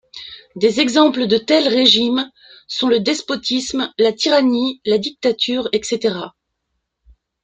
Des exemples de tels régimes sont le despotisme, la tyrannie, la dictature, etc.